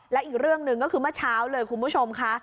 และอีกเรื่องหนึ่งก็คือเมื่อเช้าเลยคุณผู้ชมค่ะ